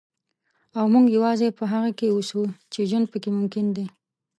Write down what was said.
او موږ یوازې په هغه کې اوسو چې ژوند پکې ممکن دی.